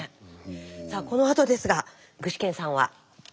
さあこのあとですが具志堅さんは？